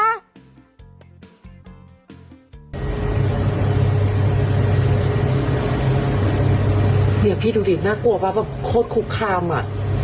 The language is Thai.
เนี่ยพี่ดูดิน่ากลัวมากแบบโคตรคุกคามอ่ะ